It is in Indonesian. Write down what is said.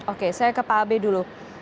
oke saya ke pak abe dulu